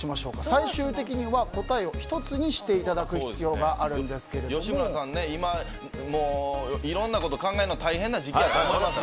最終的には答えを１つにしていただく必要が吉村さん、今いろんなこと考えるの大変な時期だと思います。